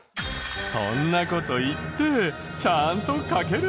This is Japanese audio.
そんな事言ってちゃんと書けるの？